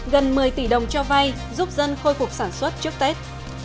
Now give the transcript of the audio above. gần một mươi tỷ đồng cho vay giúp dân khôi phục sản xuất trước tết